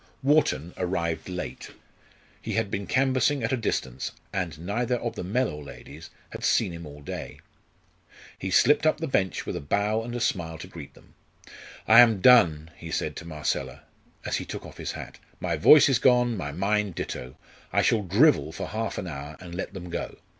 Wharton arrived late. He had been canvassing at a distance, and neither of the Mellor ladies had seen him all day. He slipped up the bench with a bow and a smile to greet them. "I am done!" he said to Marcella, as he took off his hat. "My voice is gone, my mind ditto. I shall drivel for half an hour and let them go.